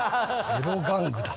エロ玩具だ。